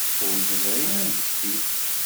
Ur yeẓri amek-it?